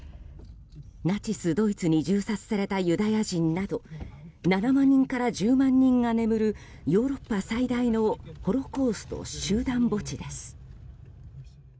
ナチスドイツに銃殺されたユダヤ人など７万人から１０万人が眠るヨーロッパ最大のホロコースト集団墓地です。